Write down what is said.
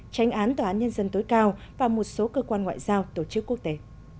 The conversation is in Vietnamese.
tránh án tòa án nhân dân tối cao và một số cơ quan ngoại giao tổ chức quốc tế